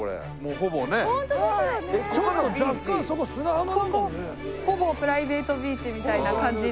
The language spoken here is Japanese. ほぼプライベートビーチみたいな感じで。